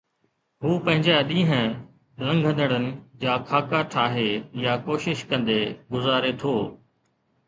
هو پنهنجا ڏينهن لنگهندڙن جا خاڪا ٺاهي، يا ڪوشش ڪندي گذاري ٿو